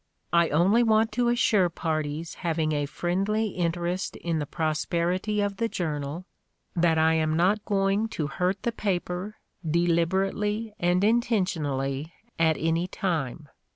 I only want to assure parties having a friendly interest in the prosperity of the journal that I am not going to hurt the paper deliberately and in tentionally at any time.